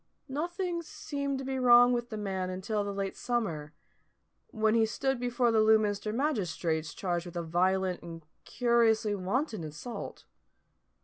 Nothing seemed to be wrong with the man until the late summer, when he stood before the Lewminster magistrates charged with a violent and curiously wanton assault.